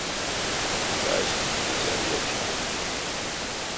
Ютасть зярыя чить.